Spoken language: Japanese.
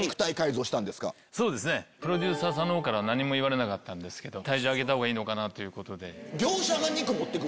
プロデューサーさんの方から何も言われなかったけど体重上げた方がいいのかなということで。